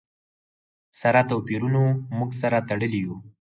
سره توپیرونو موږ سره تړلي یو.